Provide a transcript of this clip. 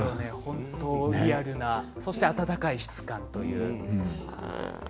本当にリアルなそして暖かい質感という。